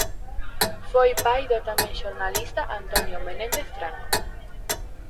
Foi pai do tamén xornalista Antonio Menéndez Franco.